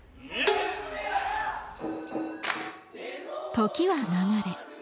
時は流れ